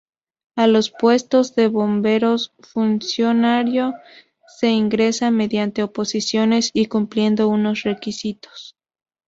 A los puestos de bombero funcionario se ingresa mediante oposiciones y cumpliendo unos requisitos.